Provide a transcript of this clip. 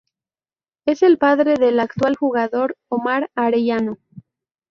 Es el padre de el actual jugador Omar Arellano.